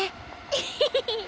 エヘヘヘ。